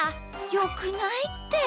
よくないって！